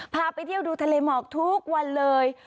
พาไปเที่ยวดูทะเลหมอกทุกวันเลย